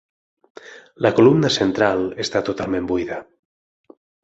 La columna central està totalment buida.